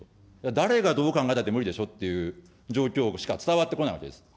誰がどう考えたって無理でしょっていう状況しか伝わってこないわけです。